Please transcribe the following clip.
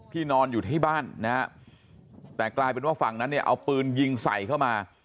นอนอยู่ที่บ้านนะฮะแต่กลายเป็นว่าฝั่งนั้นเนี่ยเอาปืนยิงใส่เข้ามา